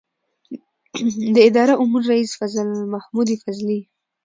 د اداره امور رئیس فضل محمود فضلي